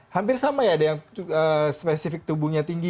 hampir sama ya spesifik tubuhnya tinggi